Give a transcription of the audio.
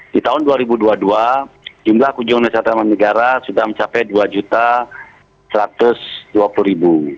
di tahun dua ribu dua puluh dua jumlah kunjungan wisatawan negara sudah mencapai rp dua satu ratus dua puluh